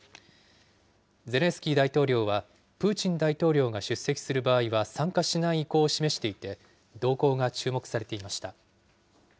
ゼレンスキー大統領は、プーチン大統領が出席する場合は参加しない意向を示していて、動向が注目されていました。